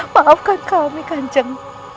maafkan kami kanjeng